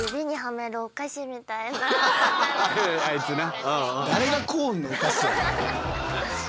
あいつな。